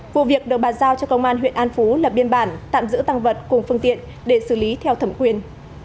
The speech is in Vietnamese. vụ việc được bàn giao cho công an huyện an phú lập biên bản tạm giữ tăng vật cùng phương tiện để xử lý theo thẩm quyền